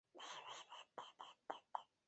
大学毕业后曾任教于敦叙中学。